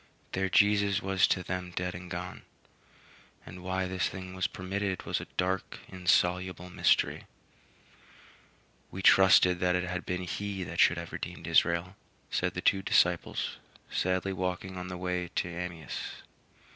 Their Jesus was to them dead and gone; and why this thing was permitted was a dark, insoluble mystery. "We trusted that it had been he that should have redeemed Israel," said the two disciples, sadly walking on the way to Emmaus.